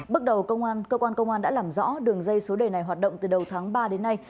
bước đầu cơ quan công an đã làm rõ đường dây số đề này hoạt động từ đầu tháng ba đến nay